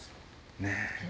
ねえ。